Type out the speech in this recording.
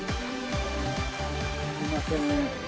すいません。